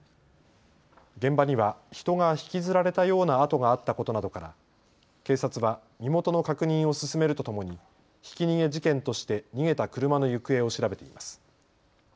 現場には人が引きずられたような跡があったことなどから警察は身元の確認を進めるとともにひき逃げ事件として逃げた車の行方を調べています。